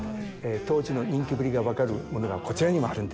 当時の人気ぶりが分かるものがこちらにもあるんですよ。